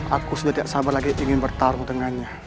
aku sudah tidak sabar lagi ingin bertarung dengan dia